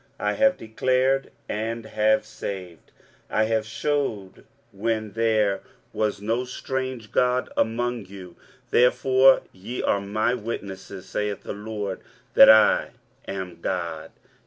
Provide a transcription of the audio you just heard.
23:043:012 I have declared, and have saved, and I have shewed, when there was no strange god among you: therefore ye are my witnesses, saith the LORD, that I am God.